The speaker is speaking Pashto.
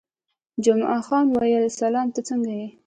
جمعه خان وویل: سلام، ته څنګه یې؟